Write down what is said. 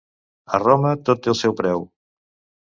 A Roma, tot té el seu preu.